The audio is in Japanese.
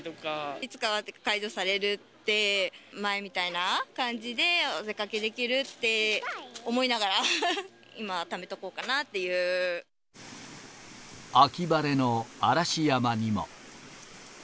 いつかは解除されて、前みたいな感じでお出かけできるって思いながら、今は、ためてお秋晴れの嵐山にも。